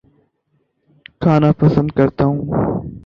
کھانا پسند کرتا ہوں